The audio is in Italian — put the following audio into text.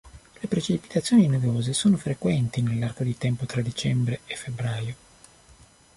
Le precipitazioni nevose sono frequenti nell'arco di tempo tra dicembre e febbraio.